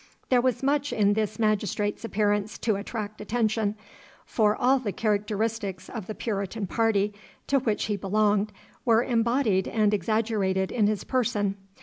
There was much in this magistrate's appearance to attract attention, for all the characteristics of the Puritan party to which he belonged were embodied and exaggerated in his person.